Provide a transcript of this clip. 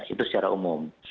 itu secara umum